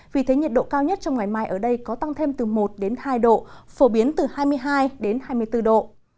vì thế nhiệt độ cao nhất trong ngày mai ở đây có tăng thêm từ một đến hai độ phổ biến từ hai mươi hai hai mươi bốn độ